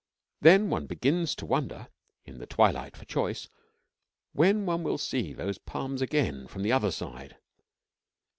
Then one begins to wonder in the twilight, for choice when one will see those palms again from the other side.